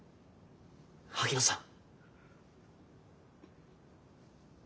萩野さん。